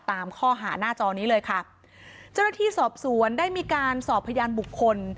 ตามข้อหาหน้าจอนี้เลยค่ะเจ้าหน้าที่สอบสวนได้มีการสอบพยานบุคคล